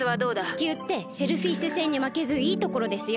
地球ってシェルフィッシュ星にまけずいいところですよ。